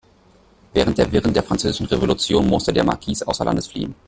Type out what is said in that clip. Während der Wirren der französischen Revolution musste der Marquis außer Landes fliehen.